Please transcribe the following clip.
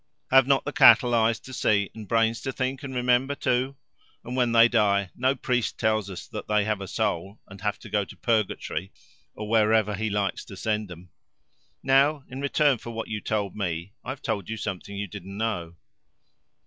Have not the cattle eyes to see and brains to think and remember too? And when they die no priest tells us that they have a soul and have to go to purgatory, or wherever he likes to send them. Now, in return for what you told me, I've told you something you didn't know."